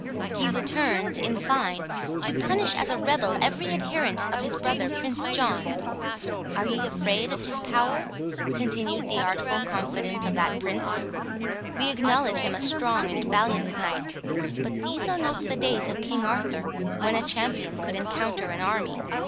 He returns, in fine, to punish as a rebel every adherent of his brother Prince John. Are ye afraid of his power?" continued the artful confident of that Prince, "we acknowledge him a strong and valiant knight; but these are not the days of King Arthur, when a champion could encounter an army.